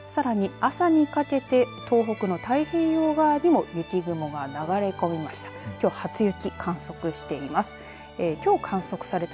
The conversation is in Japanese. さらに朝にかけて東北の太平洋側でも雪雲が流れ込みました。